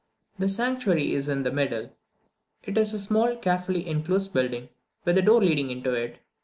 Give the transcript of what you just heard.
The sanctuary is in the middle; it is a small, carefully enclosed building, with a door leading into it.